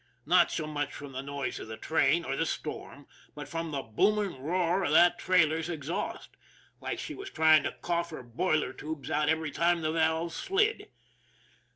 Not so much from the noise of the train or the storm, but from the booming roar of the trailer's exhaust like she was trying to cough her boiler tubes out every time the valves slid.